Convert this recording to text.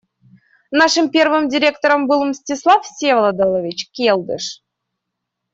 Нашим первым директором был Мстислав Всеволодович Келдыш.